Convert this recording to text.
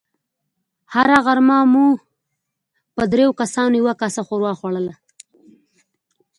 هره غرمه مو په دريو کسانو يوه کاسه ښوروا خوړله.